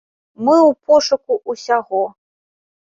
Мы ў пошуку ўсяго.